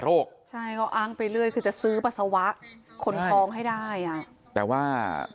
ใช่ก็อ้างไปเรื่อยคือจะซื้อปัสสาวะคนท้องให้ได้อ่ะแต่ว่า